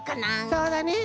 そうだね。